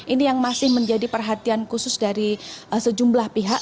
ini yang masih menjadi perhatian khusus dari sejumlah pihak